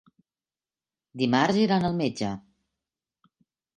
Dimarts iran al metge.